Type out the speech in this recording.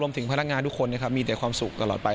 รวมถึงพนักงานทุกคนมีแต่ความสุขกลอดไป